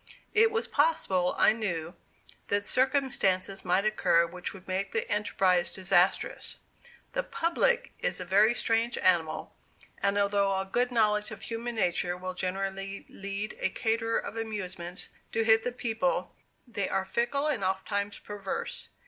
It was possible, I knew, that circumstances might occur which would make the enterprise disastrous. "The public" is a very strange animal, and although a good knowledge of human nature will generally lead a caterer of amusements to hit the people, they are fickle, and ofttimes perverse.